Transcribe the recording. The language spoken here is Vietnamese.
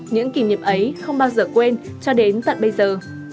những kỷ niệm ấy không bao giờ quên cho đến tận bây giờ